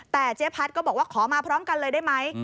แต่เจ๊พัดก็บอกว่าขอมาพร้อมกันเลยได้ไหม